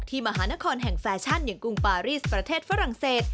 มหานครแห่งแฟชั่นอย่างกรุงปารีสประเทศฝรั่งเศส